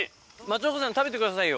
松岡さんも食べてくださいよ。